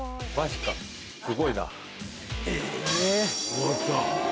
終わった。